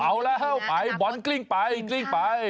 เอาแล้วไปบอลกลิ้งไปกลิ้งไป